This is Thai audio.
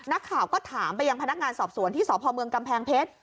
นักข่าวก็ถามไปยังพนักงานสอบสวนที่สพเมืองกำแพงเพชร